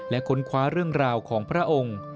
และค้นคว้าเรื่องราวของพระองค์